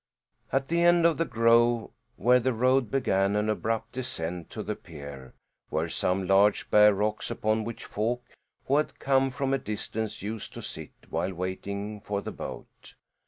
At the end of the grove, where the road began an abrupt descent to the pier, were some large bare rocks upon which folk who had come from a distance used to sit while waiting for the boat.